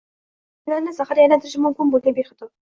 Vitaminlarni zaharga aylantirishi mumkin bo‘lganbeshxato